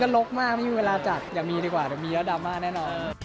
ลกมากไม่มีเวลาจัดอย่ามีดีกว่าเดี๋ยวมีแล้วดราม่าแน่นอน